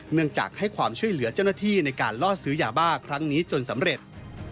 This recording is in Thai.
เนื่องจากให้ความช่วยเหลือเจ้าหน้าที่ในการล่อซื้อยาบ้าครั้งนี้จนสำเร็จ